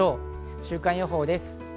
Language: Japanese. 週間予報です。